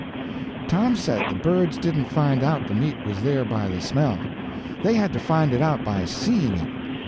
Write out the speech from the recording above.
Tom said the birds didn't find out the meat was there by the smell; they had to find it out by seeing it.